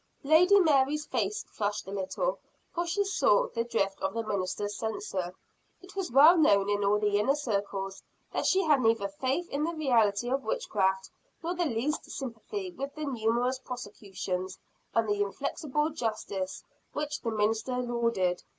Lady Mary's face flushed a little, for she saw the drift of the minister's censure. It was well known in all the inner circles, that she had neither faith in the reality of witchcraft, nor the least sympathy with the numerous prosecutions, and the inflexible justice which the minister lauded.